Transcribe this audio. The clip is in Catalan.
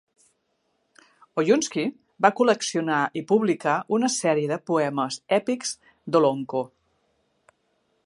Oyunsky va col·leccionar i publicar una sèrie de poemes èpics d'Olonkho.